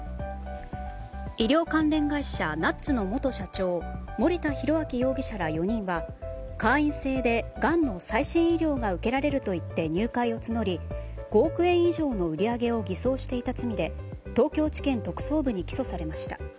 医療関連会社Ｎｕｔｓの元社長森田浩章容疑者ら４人は会員制でがんの最新医療が受けられるといって入会を募り、５億円以上の売り上げを偽装していた罪で東京地検特捜部に起訴されました。